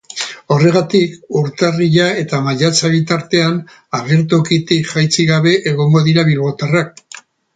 Horregatik, urtarrila eta maiatza bitartean agertokitik jaitsi gabe egongo dira bilbotarrak.